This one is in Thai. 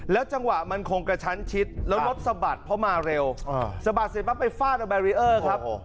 จังหวะมันคงกระชั้นชิดแล้วรถสะบัดเพราะมาเร็วสะบัดเสร็จปั๊บไปฟาดเอาแบรีเออร์ครับ